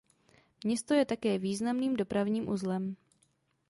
Město je také významným dopravním uzlem.